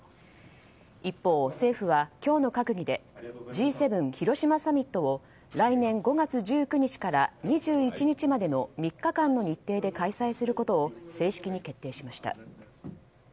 一方、政府は今日の閣議でＧ７広島サミットを来年５月１９日から２１日までの３日間の日程で開催することを正式に決定しました。